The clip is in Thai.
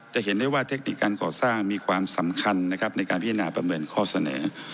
จะเห็นได้ว่าเทคนิคการก่อสร้างมีความสำคัญนะครับในการพิจารณาประเมินข้อเสนอ